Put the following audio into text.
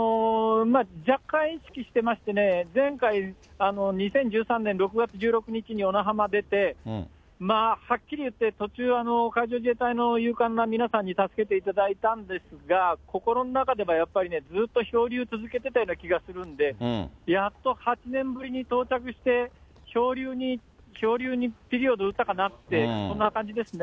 若干意識してましてね、前回、２０１３年６月１６日に小名浜出て、まあはっきり言って、途中、海上自衛隊の勇敢な皆さんに助けていただいたんですが、心の中ではやっぱりね、ずっと漂流続けてたような気がするんで、やっと８年ぶりに到着して、漂流にピリオド打ったかなって、そんな感じですね。